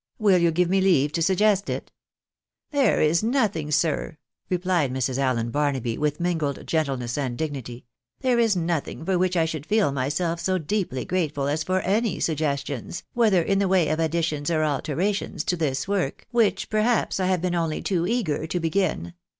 Will you give me leave to suggest it ?"" There is nothing, sir," replied Mrs. Allen Barnaby, with mingled gentleness and dignity, " there is nothing for which I should feel myself so deeply grateful as for any suggestions, whether in the way of additions or alterations, to this work, which perhaps I have been only too eager to begin.